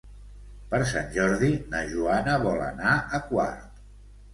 Per Sant Jordi na Joana vol anar a Quart.